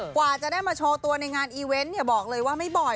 กว่าจะได้มาโชว์ตัวในงานอีเวนต์เนี่ยบอกเลยว่าไม่บ่อย